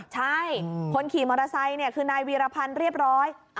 ใช่คนขี่มอเตอร์ไซค์คือนายวีรพันธ์เรียบร้อย